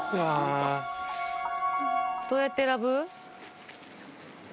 どうやって選ぶ？